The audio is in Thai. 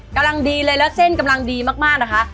กำลังดีเลยแล้วเส้นกำลังดีมากนะคะ